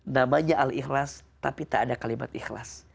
namanya al ikhlas tapi tak ada kalimat ikhlas